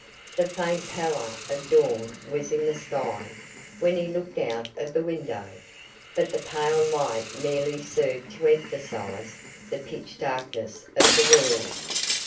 The faint pallor of dawn was in the sky when he looked out of the window, but the pale light merely served to emphasise the pitch darkness of the world.